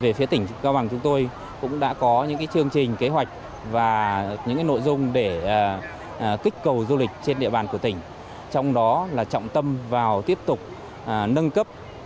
về phía tỉnh cao bằng chúng tôi cũng đã có những chương trình kế hoạch và những nội dung để kích cầu du lịch trên địa bàn của tỉnh trong đó là trọng tâm vào tiếp tục nâng cấp